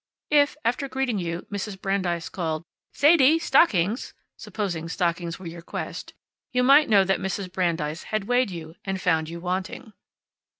If, after greeting you, Mrs. Brandeis called, "Sadie! Stockings!" (supposing stockings were your quest), you might know that Mrs. Brandeis had weighed you and found you wanting.